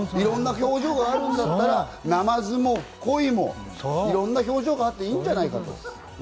いろんな表情があるんだったらナマズも鯉もいろんな表情があっていいんじゃないかと。